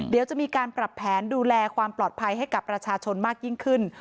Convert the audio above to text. เดี๋ยวจะมีการปรับแผนดูแลความปลอดภัยให้กับประชาชนมากยิ่งขึ้น